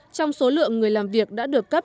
trong số lượng người làm việc đã được cấp